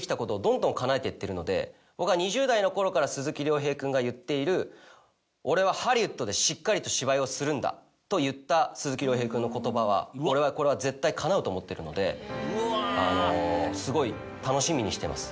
僕は２０代の頃から鈴木亮平君が言っている「俺はハリウッドでしっかりと芝居をするんだ」と言った鈴木亮平君の言葉は俺はこれは絶対かなうと思ってるのですごい楽しみにしてます。